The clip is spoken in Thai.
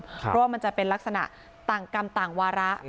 เพราะว่ามันจะเป็นลักษณะต่างกรรมต่างวาระ